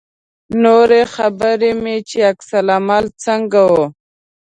نورې خبرې مې چې عکس العمل څنګه و.